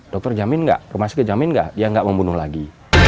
dokter jamin nggak rumah sakit jamin nggak dia nggak membunuh lagi